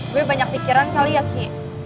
gue banyak pikiran kali ya ki